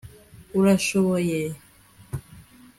urashoboye